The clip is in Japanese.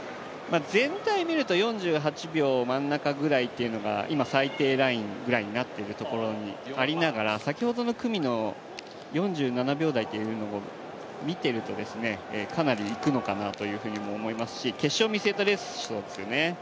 全体で見ると４８秒真ん中ぐらいというのが今、最低ラインぐらいになっているところにありながら先ほどの組の４７秒台というのを見てると、かなりいくのかなというふうにも思いますし、決勝を見据えたレースをしたいですよね。